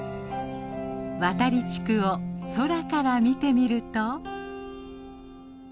渡利地区を空から見てみると。